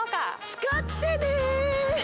使ってね